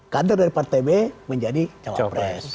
kader dari partai b menjadi cawapres